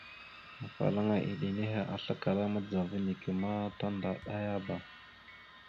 Afalaŋana iɗə nehe aslakala madəzava neke ma tandaɗayaba.